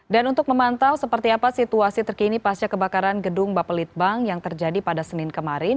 dan untuk memantau seperti apa situasi terkini pasca kebakaran gedung bapelitbang yang terjadi pada senin kemarin